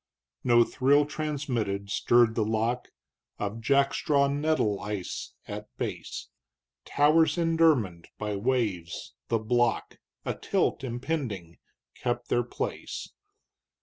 No thrill transmitted stirred the lock Of jack straw neddle ice at base; Towers indermined by waves the block Atilt impending kept their place.